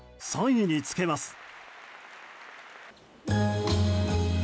３位につけます。